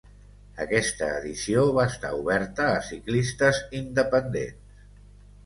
Aquesta edició va estar oberta a ciclistes independents.